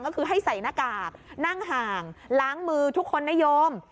ก็คือให้ใส่หน้ากากนั่งห่างล้างมือทุกคนนโยม